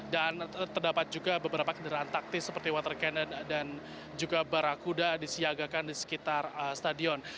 terdapat juga beberapa kendaraan taktis seperti water cannon dan juga barakuda disiagakan di sekitar stadion